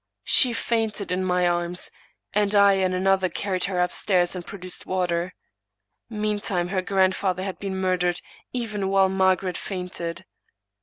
She fainted in my arms, and I and another carried her upstairs and procured water. Meantime her grandfather had been murdered, even while Margaret fainted.